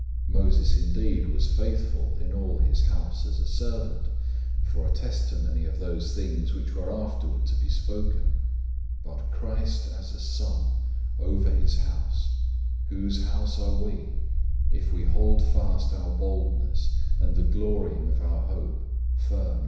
003:005 Moses indeed was faithful in all his house as a servant, for a testimony of those things which were afterward to be spoken, 003:006 but Christ is faithful as a Son over his house; whose house we are, if we hold fast our confidence and the glorying of our hope firm to the end.